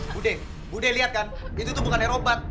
budhe budhe lihat kan itu tuh bukan air obat